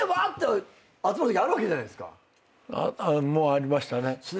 ありましたね。